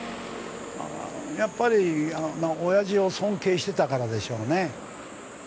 やっぱり親父を尊敬してたからでしょうね。